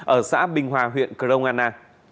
ở xã bình hòa huyện kronana